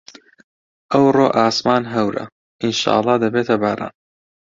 ئەوڕۆ ئاسمان هەورە، ئینشاڵڵا دەبێتە باران.